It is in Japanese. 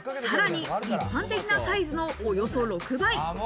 さらに一般的なサイズのおよそ６倍。